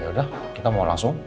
ya udah kita mau langsung